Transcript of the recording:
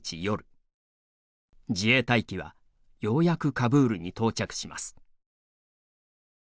自衛隊機はようやくカブールに到着します。